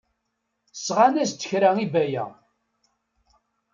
Sɣan-as-d kra i Baya.